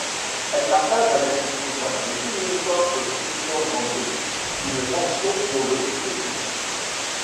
Elle partage avec son conjoint, le philosophe Christian Jambet, une passion pour le soufisme.